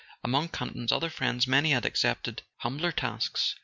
Among Campton's other friends many had accepted humbler tasks.